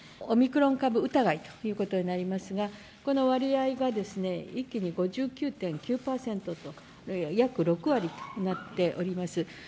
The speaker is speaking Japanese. オミクロン株疑いということになりますが、この割合が一気に５９．９％と、約６割になっております。